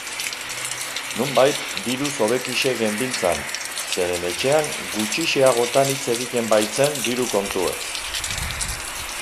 Nonbait diruz hobekixe genbiltzan, zeren etxean gutxixeagotan hitz egiten baitzen diru kontuez.